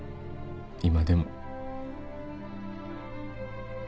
今でも。